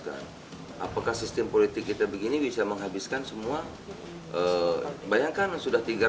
yang merupakan asisten daerah tiga pemprov jambi dalam kasus yang sama